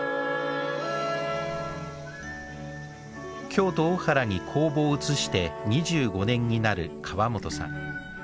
京都・大原に工房を移して２５年になる川本さん。